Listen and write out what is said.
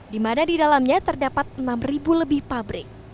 di mana di dalamnya terdapat enam lebih pabrik